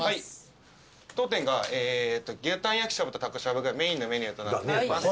当店が牛たん焼きしゃぶとたこしゃぶがメインのメニューとなっております。